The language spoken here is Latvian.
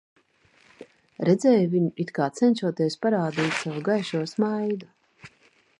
Redzēju viņu, it kā cenšoties parādīt savu gaišo smaidu.